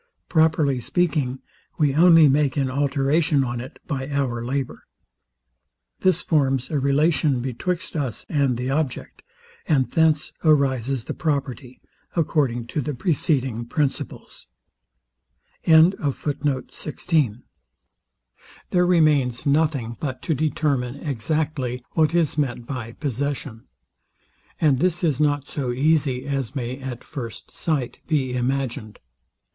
Properly speaking, we only make an alteration on it by our labour. This forms a relation betwixt us and the object; and thence arises the property, according to the preceding principles. There remains nothing, but to determine exactly, what is meant by possession; and this is not so easy as may at first sight be imagined.